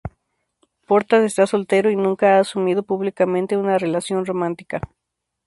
Portas está soltero y nunca ha asumido públicamente una relación romántica.